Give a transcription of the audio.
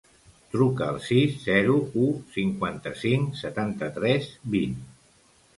Truca al sis, zero, u, cinquanta-cinc, setanta-tres, vint.